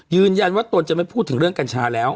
ตนจะไม่พูดถึงเรื่องกัญชาแล้ว